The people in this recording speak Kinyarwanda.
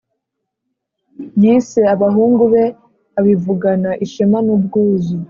yise «abahungu be» abivugana ishema n'ubwuzu.